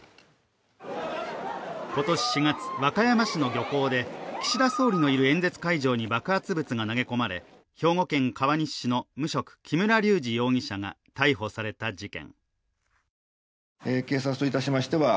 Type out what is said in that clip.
今年４月、和歌山市の漁港で岸田総理のいる演説会場に爆発物が投げ込まれ、兵庫県川西市の無職木村隆二が逮捕された事件。